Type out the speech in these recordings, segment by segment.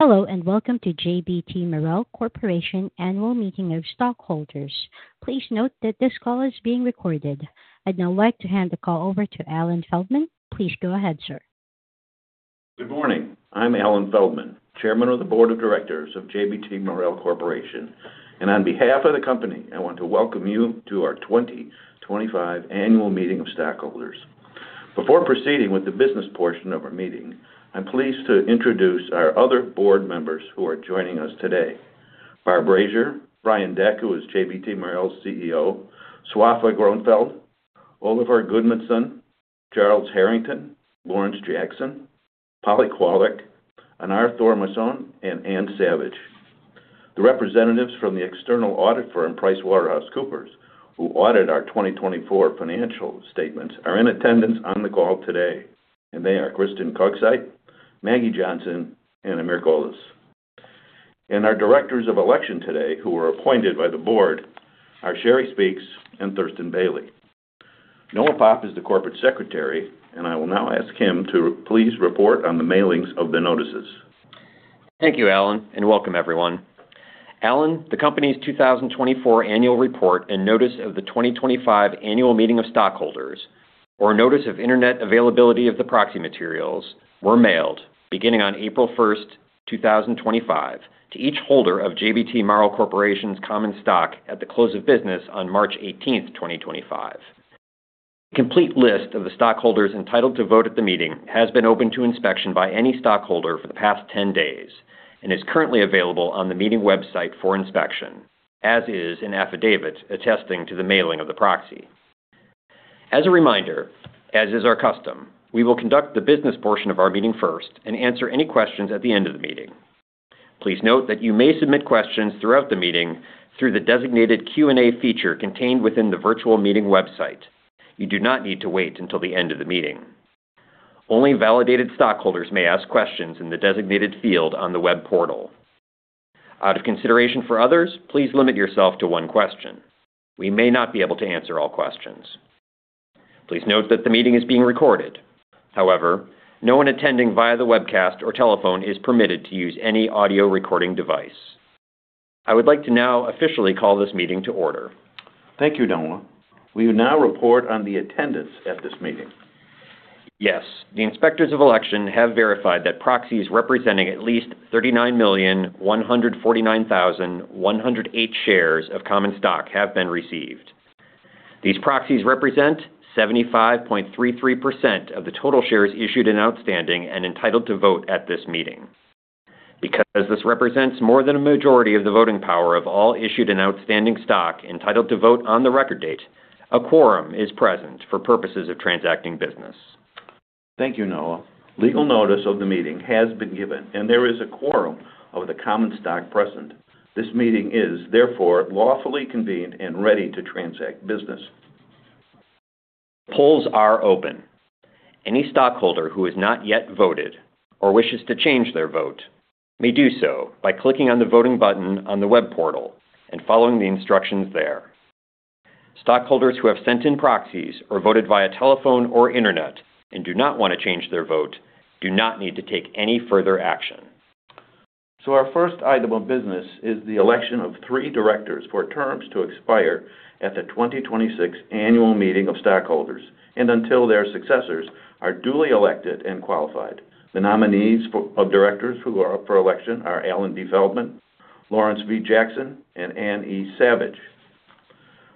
Hello, and welcome to JBT Marel Corporation annual meeting of stockholders. Please note that this call is being recorded. I'd now like to hand the call over to Alan Feldman. Please go ahead, sir. Good morning. I'm Alan Feldman, Chairman of the Board of Directors of JBT Marel Corporation, and on behalf of the company, I want to welcome you to our 2025 annual meeting of stakeholders. Before proceeding with the business portion of our meeting, I'm pleased to introduce our other board members who are joining us today: Barbrazier, Brian Deck, who is JBT Marel's CEO; Swafa Grunfeld; Oliver Goodmundson; Charles Harrington; Lawrence Jackson; Polly Kwolek; Anar Thormason; and Ann Savage. The representatives from the external audit firm, PricewaterhouseCoopers, who audit our 2024 financial statements, are in attendance on the call today, and they are Kristen Cogsite, Maggie Johnson, and Amir Golas. Our directors of election today, who were appointed by the board, are Sherry Speaks and Thurston Bailey. Noah Popp is the corporate secretary, and I will now ask him to please report on the mailings of the notices. Thank you, Alan, and welcome, everyone. Alan, the company's 2024 annual report and notice of the 2025 Annual Meeting of Stockholders, or notice of internet availability of the proxy materials, were mailed beginning on April 1, 2025, to each holder of JBT Marel Corporation's common stock at the close of business on March 18, 2025. A complete list of the stockholders entitled to vote at the meeting has been opened to inspection by any stockholder for the past 10 days and is currently available on the meeting website for inspection, as is an affidavit attesting to the mailing of the proxy. As a reminder, as is our custom, we will conduct the business portion of our meeting first and answer any questions at the end of the meeting. Please note that you may submit questions throughout the meeting through the designated Q&A feature contained within the virtual meeting website. You do not need to wait until the end of the meeting. Only validated stockholders may ask questions in the designated field on the web portal. Out of consideration for others, please limit yourself to one question. We may not be able to answer all questions. Please note that the meeting is being recorded. However, no one attending via the webcast or telephone is permitted to use any audio recording device. I would like to now officially call this meeting to order. Thank you, Noah. Will you now report on the attendance at this meeting? Yes. The inspectors of election have verified that proxies representing at least 39.149108 million shares of common stock have been received. These proxies represent 75.33% of the total shares issued and outstanding and entitled to vote at this meeting. Because this represents more than a majority of the voting power of all issued and outstanding stock entitled to vote on the record date, a quorum is present for purposes of transacting business. Thank you, Noah. Legal notice of the meeting has been given, and there is a quorum of the common stock present. This meeting is, therefore, lawfully convened and ready to transact business. Polls are open. Any stockholder who has not yet voted or wishes to change their vote may do so by clicking on the voting button on the web portal and following the instructions there. Stockholders who have sent in proxies or voted via telephone or Internet and do not want to change their vote do not need to take any further action. Our first item of business is the election of three directors for terms to expire at the 2026 Annual Meeting of Stakeholders and until their successors are duly elected and qualified. The nominees of directors who are up for election are Alan D. Feldman, Lawrence V. Jackson, and Ann E. Savage.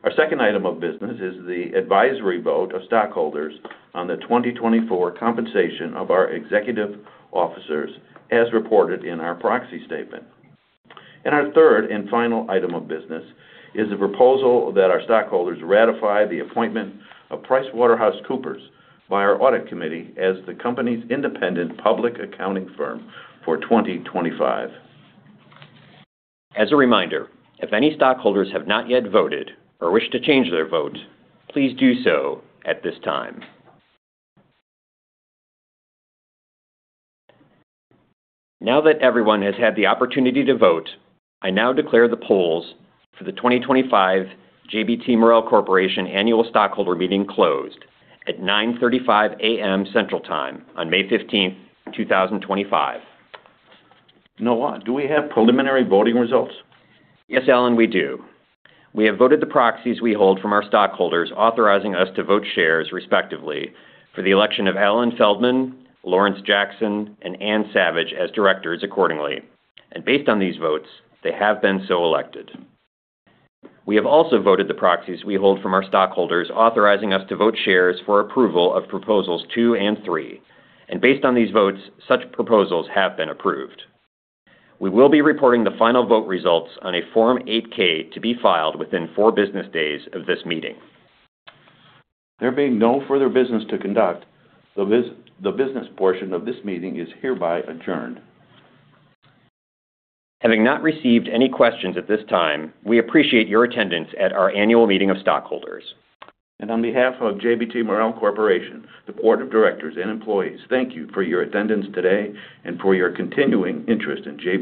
Our second item of business is the advisory vote of stockholders on the 2024 compensation of our executive officers, as reported in our proxy statement. Our third and final item of business is the proposal that our stockholders ratify the appointment of PricewaterhouseCoopers by our audit committee as the company's independent public accounting firm for 2025. As a reminder, if any stockholders have not yet voted or wish to change their vote, please do so at this time. Now that everyone has had the opportunity to vote, I now declare the polls for the 2025 JBT Marel Corporation Annual Stockholder Meeting closed at 9:35 A.M. Central Time on May 15, 2025. Noah, do we have preliminary voting results? Yes, Alan, we do. We have voted the proxies we hold from our stockholders, authorizing us to vote shares, respectively, for the election of Alan Feldman, Lawrence Jackson, and Ann Savage as directors accordingly. Based on these votes, they have been so elected. We have also voted the proxies we hold from our stockholders, authorizing us to vote shares for approval of proposals two and three. Based on these votes, such proposals have been approved. We will be reporting the final vote results on a Form 8-K to be filed within four business days of this meeting. There being no further business to conduct, the business portion of this meeting is hereby adjourned. Having not received any questions at this time, we appreciate your attendance at our annual meeting of Stockholders. On behalf of JBT Marel Corporation, the Board of Directors and employees, thank you for your attendance today and for your continuing interest in JBT.